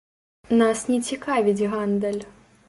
Нас не цікавіць гандаль.